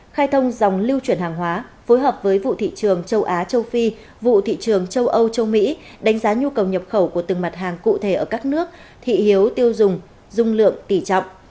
khai thông dòng lưu chuyển hàng hóa phối hợp với vụ thị trường châu á châu phi vụ thị trường châu âu châu mỹ đánh giá nhu cầu nhập khẩu của từng mặt hàng cụ thể ở các nước thị hiếu tiêu dùng dung lượng tỉ trọng